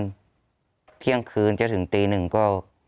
ประมาณเที่ยงคืนจะถึงตี๑ก็